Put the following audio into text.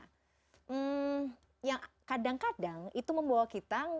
hmm yang kadang kadang itu membawa kita